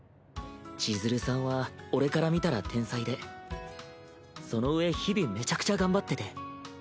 ちづるさんは俺から見たら天才でそのうえ日々めちゃくちゃ頑張ってて。